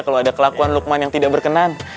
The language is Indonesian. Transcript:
kalau ada kelakuan lukman yang tidak berkenan